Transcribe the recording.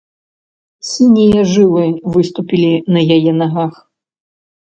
Сінія жылы выступілі на яе нагах.